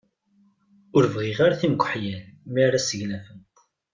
Ur bɣiɣ ara timgeḥyal mi ara seglafent.